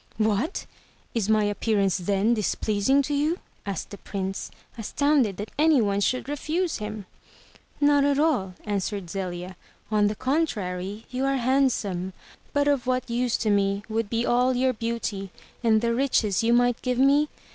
"What! Is my appearance then displeasing to you?" asked the Prince, astoimded that any one should refuse him. "Not at all," answered Zelia. "On the contrary, you are handsome. But of what use to me would be all your beauty, and the riches you might give me?